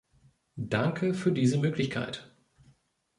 Danke für diese Möglichkeit.